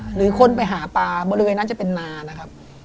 หรือคนไปหาปลาบริเวณนั้นจะเป็นนานะครับ